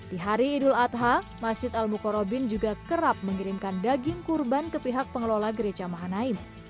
di hari idul adha masjid al mukrobin juga kerap mengirimkan daging kurban ke pihak pengelola gereja mahanaim